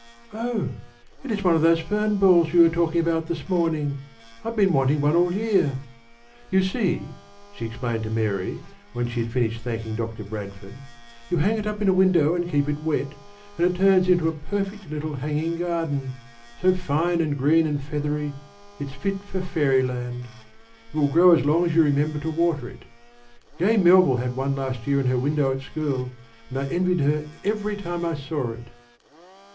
"Oh, it is one of those fern balls we were talking about this morning! I've been wanting one all year. You see," she explained to Mary, when she had finished thanking Doctor Bradford, "you hang it up in a window and keep it wet, and it turns into a perfect little hanging garden, so fine and green and feathery it's fit for fairy land. It will grow as long as you remember to water it. Gay Melville had one last year in her window at school, and I envied her every time I saw it."